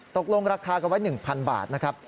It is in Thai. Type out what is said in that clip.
ตกลงราคากันไว้๑๐๐บาทนะครับ